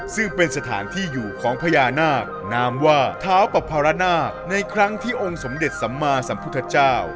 ซึ่งเป็นสถานที่อยู่ของพญานาคนามว่าเท้าปภารนาคในครั้งที่องค์สมเด็จสัมมาสัมพุทธเจ้า